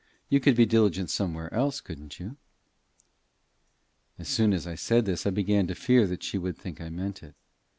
You could be diligent somewhere else, couldn't you?" As soon as I said this, I began to fear she would think I meant it.